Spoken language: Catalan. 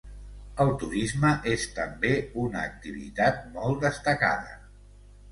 El turisme és també una activitat molt destacada.